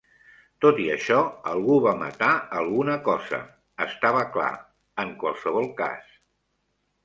Tot i això, algú va matar alguna cosa: estava clar, en qualsevol cas.